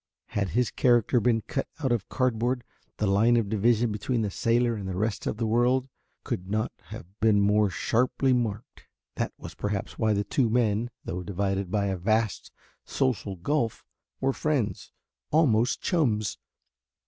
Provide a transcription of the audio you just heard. Had his character been cut out of cardboard the line of division between the sailor and the rest of the world could not have been more sharply marked. That was perhaps why the two men, though divided by a vast social gulf, were friends, almost chums.